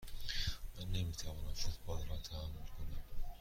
من نمی توانم فوتبال را تحمل کنم.